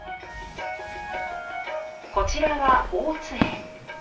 こちらは大津絵。